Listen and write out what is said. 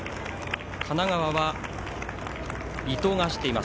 神奈川は伊藤が走っています。